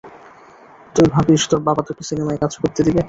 তুই ভাবিস তোর বাবা তোকে সিনেমায় কাজ করতে দিবে?